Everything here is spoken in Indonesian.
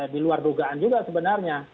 di luar dugaan juga sebenarnya